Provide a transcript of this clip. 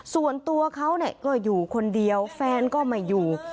ส่วนตัวเขาก็อยู่คนเดียวแฟนก็ไม่อยู่